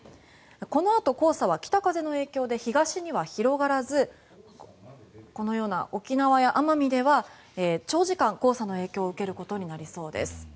このあと、黄砂は北風の影響で東には広がらず沖縄や奄美では長時間、黄砂の影響を受けることになりそうです。